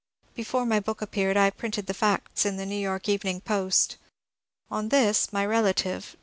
Before my book appeared I printed the facts in the " New York Evening Post." On this my relative.